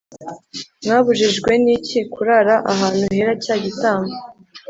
Mwabujijwe n iki kurara ahantu hera cya gitambo